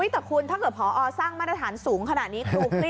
แต่คุณถ้าเกิดพอสร้างมาตรฐานสูงขนาดนี้ครู้